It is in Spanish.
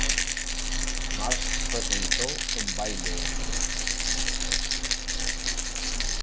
Marsh presentó un baile de salón.